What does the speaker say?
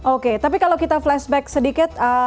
oke tapi kalau kita flashback sedikit